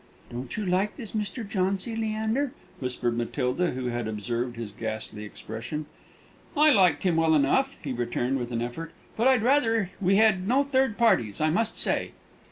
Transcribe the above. "Don't you like this Mr. Jauncy, Leander?" whispered Matilda, who had observed his ghastly expression. "I like him well enough," he returned, with an effort; "but I'd rather we had no third parties, I must say."